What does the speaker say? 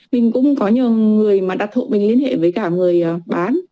mình cũng có nhiều người mà đặt hộ mình liên hệ với cả người bán